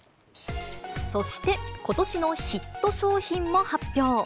そして、今年のヒット商品も発表。